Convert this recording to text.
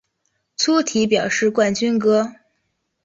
粗体表示冠军歌